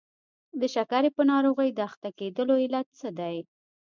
د شکرې په ناروغۍ د اخته کېدلو علت څه دی؟